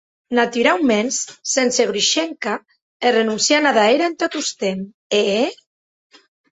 Naturauments, sense Grushenka e renonciant ada era entà tostemp, è?